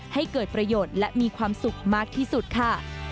ให้เกิดประโยชน์และมีความสุขมากที่สุดค่ะ